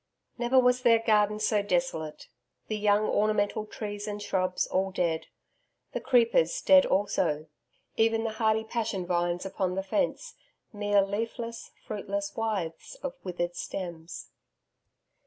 Never was there garden so desolate the young ornamental trees and shrubs all dead; the creepers dead also; even the hardy passion vines upon the fence, mere leafless, fruitless withes of withered stems.